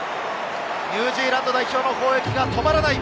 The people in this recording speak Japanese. ニュージーランド代表の攻撃が止まらない！